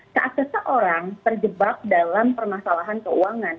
saat seseorang terjebak dalam permasalahan keuangan